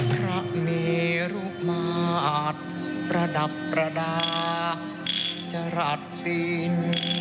พระเมรุมาตรประดับประดาจรัสสิน